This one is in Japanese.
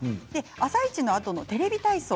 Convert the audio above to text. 「あさイチ」のあとの「テレビ体操」